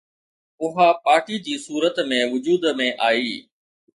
اها پارٽيءَ جي صورت ۾ وجود ۾ آئي